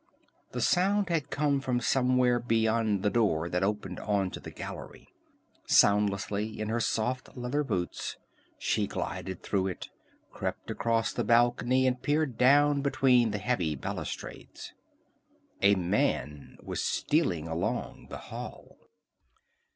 The sound had come from somewhere beyond the door that opened on to the gallery. Soundlessly in her soft leather boots she glided through it, crept across the balcony and peered down between the heavy balustrades. _A man was stealing along the hall.